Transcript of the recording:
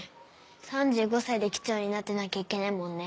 ３５歳で機長になってなきゃいけないもんね。